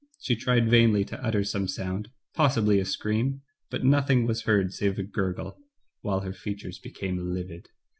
She tried vainly to utter some sound, possibly a scream, but nothing was heard save a gurgle, while her features became livid.